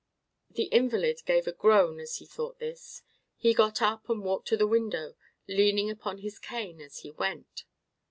The invalid gave a groan as he thought this. He got up and walked to the window, leaning upon his cane as he went.